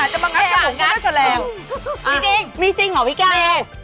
หูไทย